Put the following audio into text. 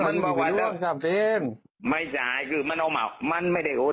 กับใครนี้อ๋อมันไม่จ่ายคือมันเอามามันไม่ได้เอา